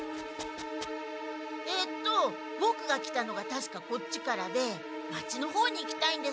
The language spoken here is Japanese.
えっとボクが来たのがたしかこっちからで町の方に行きたいんですが。